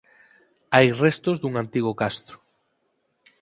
Hai restos dun antigo castro.